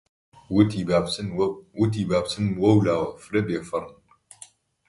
وتی: با بچن وەولاوە فرە بێفەڕن!